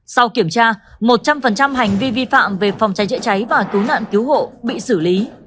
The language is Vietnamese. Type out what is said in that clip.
sau kiểm tra một trăm linh hành vi vi phạm về phòng cháy chữa cháy và cứu nạn cứu hộ bị xử lý